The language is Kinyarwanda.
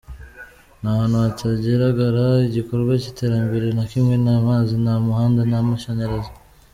Ni ahantu hatagiraga igikorwa cy’iterambere na kimwe, nta mazi, nta muhanda nta mashanyarazi.